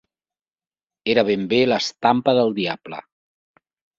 Era ben bé l'estampa del diable.